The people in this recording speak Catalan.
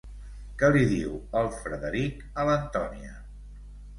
Què li diu el Frederic a l'Antònia?